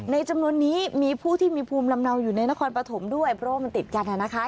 จำนวนนี้มีผู้ที่มีภูมิลำเนาอยู่ในนครปฐมด้วยเพราะว่ามันติดกันนะคะ